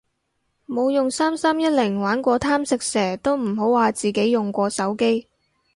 冇用三三一零玩過貪食蛇都唔好話自己用過手機